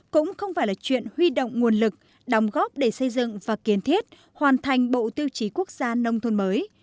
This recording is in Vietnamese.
cũng không phải là chuyện huy động nguồn lực đồng góp để xây dựng và kiến thiết hoàn thành bộ tiêu chí quốc gia nông thôn mới